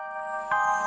aku terlalu berharga